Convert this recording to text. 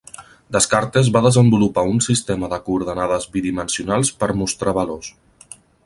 Descartes va desenvolupar un sistema de coordenades bidimensionals per mostrar valors.